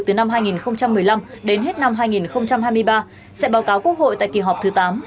từ năm hai nghìn một mươi năm đến hết năm hai nghìn hai mươi ba sẽ báo cáo quốc hội tại kỳ họp thứ tám